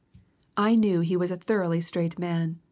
I knew he was a thoroughly straight man.